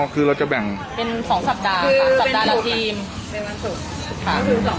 คือเราจะแบ่งเป็น๒สัปดาห์ค่ะสัปดาห์ละทีมเป็นวันเกิดค่ะ